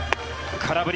空振り。